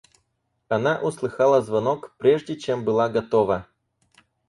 Она услыхала звонок прежде, чем была готова.